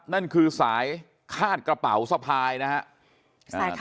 นั่นคือสายคาดกระเป๋าสะพายนะครับ